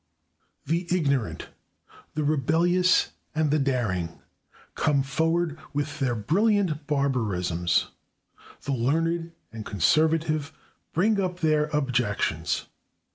The ignorant, the rebellious and the daring come forward with their brilliant barbarisms; the learned and conservative bring up their objections.